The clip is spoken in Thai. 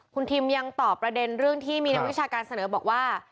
คุณทิมยังตอบประเด็นเรื่องที่มีนักวิชาการเสนอบอกว่า